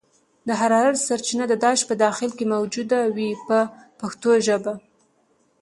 د حرارت سرچینه د داش په داخل کې موجوده وي په پښتو ژبه.